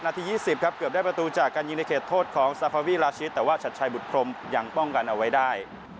๒๐ครับเกือบได้ประตูจากการยิงในเขตโทษของซาฟาวีราชิตแต่ว่าชัดชัยบุตรพรมยังป้องกันเอาไว้ได้